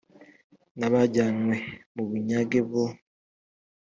n abajyanywe mu bunyage bo